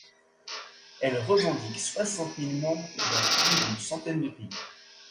Elle revendique soixante mille membres dans plus d'une centaine de pays.